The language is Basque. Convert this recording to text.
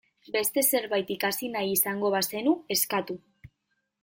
Beste zerbait ikasi nahi izango bazenu, eskatu.